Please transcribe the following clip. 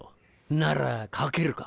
なら賭けるか？